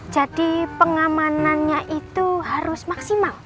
jadi pengamanannya itu harus maksimal